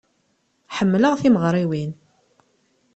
Ḥemmleɣ timeɣriwin.